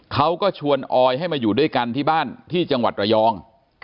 เขาก็ชวนออยให้มาอยู่ด้วยกันที่บ้านที่จังหวัดระยอง